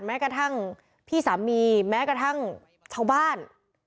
แม้กระทั่งพี่สามีแม้กระทั่งชาวบ้าน